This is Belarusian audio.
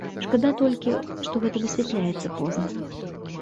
Шкада толькі, што гэта высвятляецца позна.